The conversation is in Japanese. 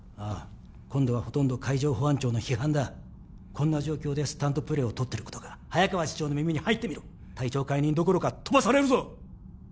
あ今度はほとんど海上保安庁の批判だこんな状況でスタンドプレーをとってることが早川次長の耳に入ってみろ隊長解任どころかとばされるぞ！